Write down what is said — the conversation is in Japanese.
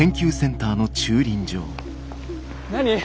何？